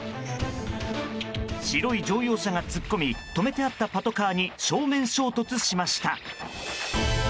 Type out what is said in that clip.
白い乗用車が突っ込み止めてあったパトカーに正面衝突しました。